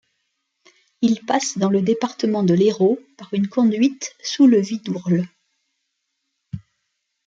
Il passe dans le département de l'Hérault par une conduite sous le Vidourle.